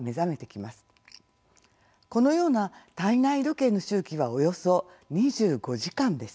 このような体内時計の周期はおよそ２５時間です。